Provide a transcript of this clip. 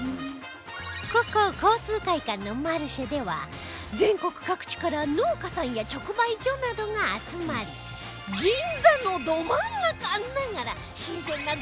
ここ交通会館のマルシェでは全国各地から農家さんや直売所などが集まり銀座のど真ん中ながら新鮮な